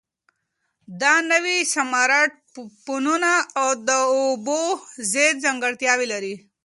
دا نوي سمارټ فونونه د اوبو ضد ځانګړتیاوې لري.